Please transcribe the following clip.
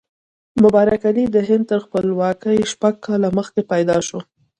مبارک علي د هند تر خپلواکۍ شپږ کاله مخکې پیدا شو.